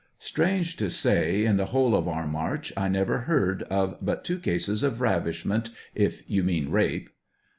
Strange to say, in the whole of our march I,never heard of but two cases of ravishment, if you mean rape.